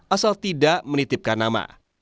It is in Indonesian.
asal tidak menitipkan nama